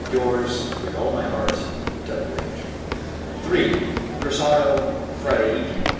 Your's, with all my heart, W.H. III. Persano, Friday Evening.